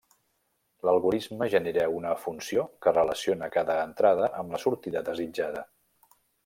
L'algorisme genera una funció que relaciona cada entrada amb la sortida desitjada.